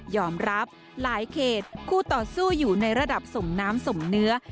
รับหลายเขตคู่ต่อสู้อยู่ในระดับส่งน้ำสมเนื้อ